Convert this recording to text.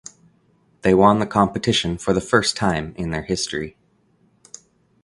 They won the competition for the first time in their history.